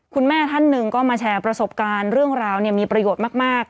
คุณแม่ท่านหนึ่งก็มาแชร์ประสบการณ์เรื่องราวมีประโยชน์มาก